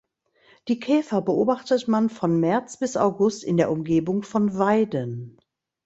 Die Käfer beobachtet man von März bis August in der Umgebung von Weiden.